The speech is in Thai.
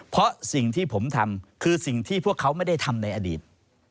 เพราะสิ่งที่ผมทำคือสิ่งที่พวกเขาไม่ได้ทำในอดีต